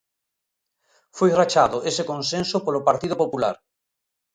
Foi rachado ese consenso polo Partido Popular.